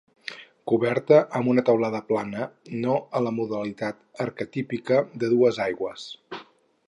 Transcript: Coberta amb una teulada plana, no a la modalitat arquetípica de dues aigües.